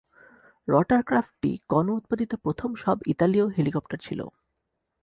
রটারক্রাফটটি গণ-উৎপাদিত প্রথম সব-ইতালীয় হেলিকপ্টার ছিল।